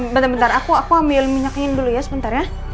bentar bentar aku aku ambil minyaknya dulu ya sebentar ya